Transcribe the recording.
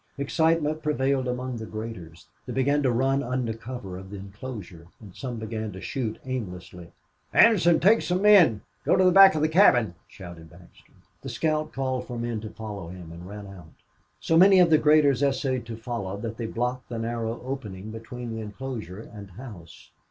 Excitement prevailed among the graders. They began to run under cover of the inclosure and some began to shoot aimlessly. "Anderson, take some men! Go to the back of the cabin!" shouted Baxter. The scout called for men to follow him and ran out. So many of the graders essayed to follow that they blocked the narrow opening between the inclosure and house.